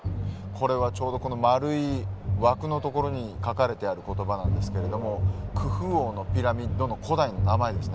これはちょうどこの丸い枠の所に書かれてある言葉なんですけれどもクフ王のピラミッドの古代の名前ですね。